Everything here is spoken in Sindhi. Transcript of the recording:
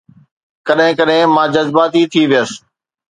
ڪڏهن ڪڏهن مان جذباتي ٿي ويس